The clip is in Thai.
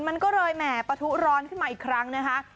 มันก็เลยแหม่ปะทุร้อนขึ้นมาอีกครั้งนะคะ